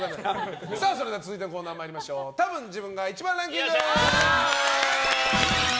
それでは続いてのコーナーたぶん自分が１番ランキング！